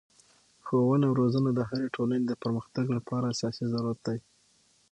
ښوونه او روزنه د هري ټولني د پرمختګ له پاره اساسي ضرورت دئ.